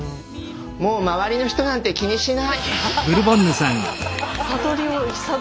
もうまわりの人なんて気にしない！